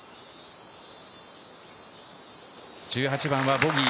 １８番はボギー。